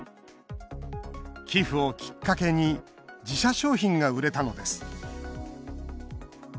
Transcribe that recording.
寄付をきっかけに自社商品が売れたのです。